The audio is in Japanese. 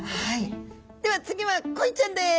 では次はコイちゃんです。